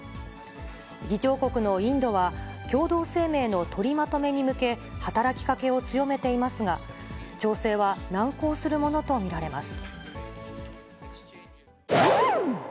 議長国のインドは、共同声明の取りまとめに向け、働きかけを強めていますが、調整は難航するものと見られます。